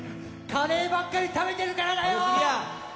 カレーばっかり食べてるからだよ。